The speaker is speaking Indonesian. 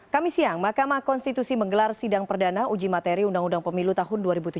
kami siang mahkamah konstitusi menggelar sidang perdana uji materi undang undang pemilu tahun dua ribu tujuh belas